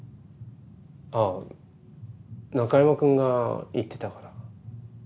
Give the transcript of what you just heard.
あぁ中山くんが言ってたから。